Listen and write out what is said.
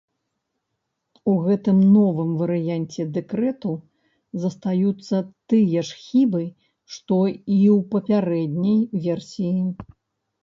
У гэтым новым варыянце дэкрэту застаюцца тыя ж хібы, што і ў папярэдняй версіі.